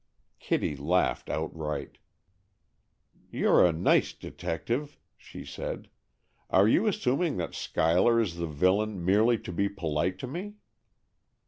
Kitty laughed outright. "You're a nice detective!" she said. "Are you assuming that Schuyler is the villain, merely to be polite to me?"